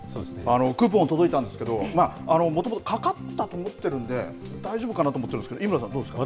クーポン届いたんですけど、もともとかかったと思ってるんで、大丈夫かなと思ってるんですけれども、井村さん、どうですか。